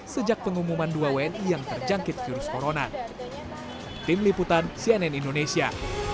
sejak pengumuman dua wni yang terjangkit virus corona